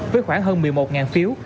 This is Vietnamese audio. với khoảng hơn một mươi một phiếu